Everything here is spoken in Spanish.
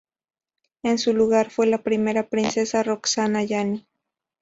En su lugar fue la primera princesa Roxana Yani.